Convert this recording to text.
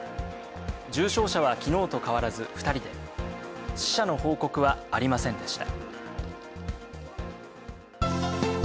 重症者は昨日と変わらず２人で死者の報告はありませんでした。